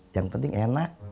yang penting enak